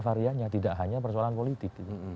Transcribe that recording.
variannya tidak hanya persoalan politik